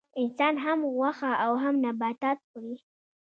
انسان هم غوښه او هم نباتات خوري